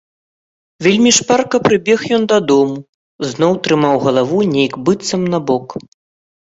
Вельмі шпарка прыбег ён дадому, зноў трымаў галаву нейк быццам набок.